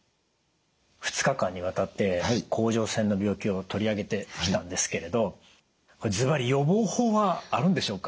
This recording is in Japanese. ２日間にわたって甲状腺の病気を取り上げてきたんですけれどずばり予防法はあるんでしょうか？